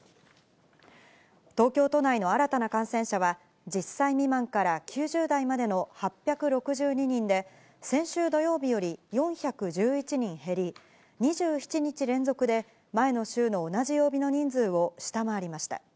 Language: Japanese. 東京都内の新たな感染者は、１０歳未満から９０代までの８６２人で、先週土曜日より４１１人減り、２７日連続で、前の週の同じ曜日の人数を下回りました。